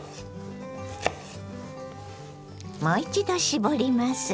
もう一度絞ります。